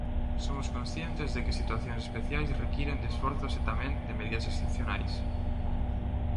Somos conscientes de que situacións especiais requiren de esforzos e tamén de medidas excepcionais.